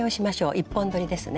１本どりですね。